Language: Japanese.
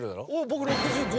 僕６５。